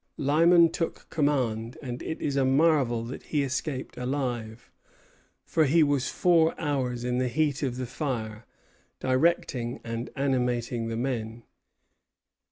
Lyman took command; and it is a marvel that he escaped alive, for he was four hours in the heat of the fire, directing and animating the men.